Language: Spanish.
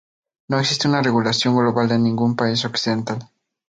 No existe una regulación global en ningún país occidental.